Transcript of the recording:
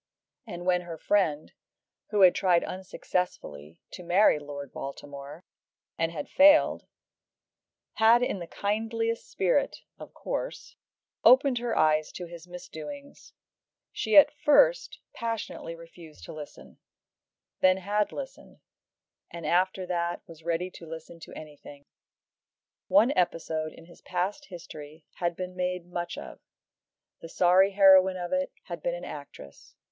And when her friend, who had tried unsuccessfully to marry Lord Baltimore and had failed, had in the kindliest spirit, of course, opened her eyes to his misdoings, she had at first passionately refused to listen, then had listened, and after that was ready to listen to anything. One episode in his past history had been made much of. The sorry heroine of it had been an actress.